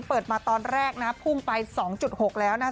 เปิดมาตอนแรกนะพุ่งไป๒๖แล้วนะคะ